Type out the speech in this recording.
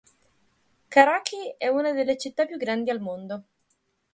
Karachi è una delle città più grandi al mondo.